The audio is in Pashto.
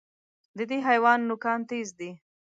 د دې حیوان نوکان تېز دي.